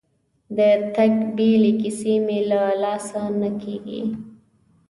د تګ بیلې کیسې مې له لاسه نه کېږي.